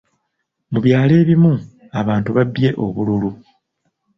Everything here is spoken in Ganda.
Mu byalo ebimu, abantu babbye obululu.